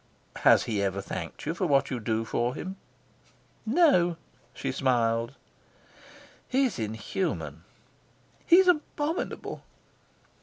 "Has he ever thanked you for what you do for him?" "No," she smiled. "He's inhuman." "He's abominable."